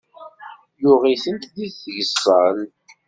Yuɣ-itent di tgeẓẓal.